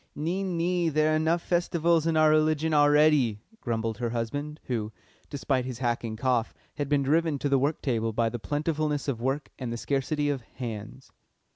"Nee, nee; there are enough Festivals in our religion already," grumbled her husband, who, despite his hacking cough, had been driven to the work table by the plentifulness of work and the scarcity of "hands."